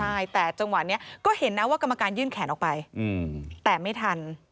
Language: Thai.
ใช่แต่จังหวะนี้ก็เห็นนะว่ากรรมการยื่นแขนออกไปแต่ไม่ทัน